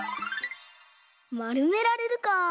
「まるめられる」か。